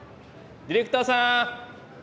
ディレクターさん！